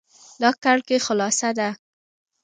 دا کړکي خلاصه ده